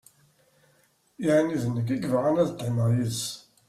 Yeɛni d nekk i yebɣan ad qqimeɣ yid-s.